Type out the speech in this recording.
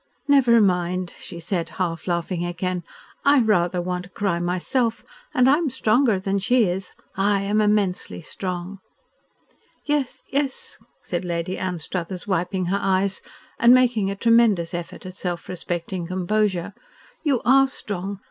"Never mind," she said, half laughing again. "I rather want to cry myself, and I am stronger than she is. I am immensely strong." "Yes! Yes!" said Lady Anstruthers, wiping her eyes, and making a tremendous effort at self respecting composure. "You are strong.